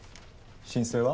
申請は？